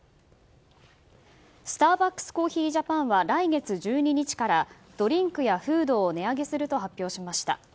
スターバックスコーヒージャパンは来月１２日からドリンクやフードを値上げすると発表しました。